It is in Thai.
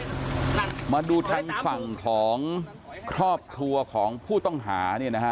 คุณผู้ชมมาดูทางฝั่งของครอบครัวของผู้ต้องหาเนี่ยนะฮะ